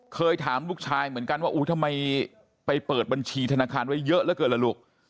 เคยถามลูกชายเหมือนกันว่าอู้ทำไมไปเปิดบัญชีธนาคารไว้เยอะเหลือเกินล่ะลูก